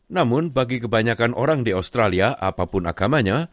namun bagi kebanyakan orang di australia apapun agamanya